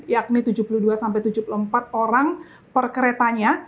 yakni tujuh puluh dua tujuh puluh empat orang per keretanya